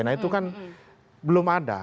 nah itu kan belum ada